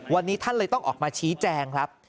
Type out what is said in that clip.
วันนี้ท่านเลยต้องออกมาชี้แจงครับ